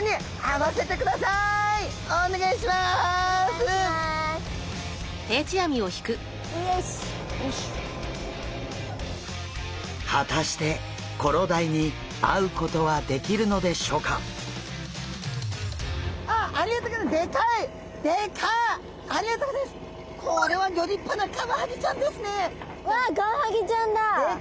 わっカワハギちゃんだ。